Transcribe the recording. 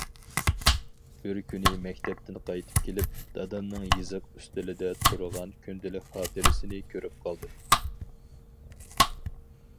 بىر كۈنى مەكتەپتىن قايتىپ كېلىپ، دادامنىڭ يېزىق ئۈستىلىدە تۇرغان كۈندىلىك خاتىرىسىنى كۆرۈپ قالدىم.